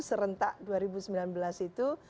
serentak dua ribu sembilan belas itu